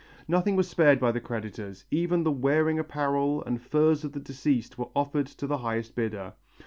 Nothing was spared by the creditors, even the wearing apparel and furs of the deceased were offered to the highest bidder.